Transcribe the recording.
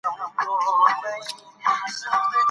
څېړونکي هڅه کوي سپینې اوړو ته غلې- دانه اضافه کړي.